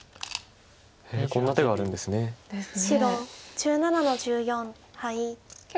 へえこんな手があるんですね。